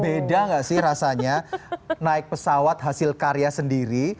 beda nggak sih rasanya naik pesawat hasil karya sendiri